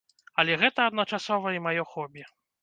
Але гэта адначасова і маё хобі.